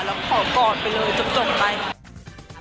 แล้วขอกอดไปเลยจบไป